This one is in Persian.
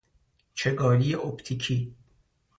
چگالی اپتیکی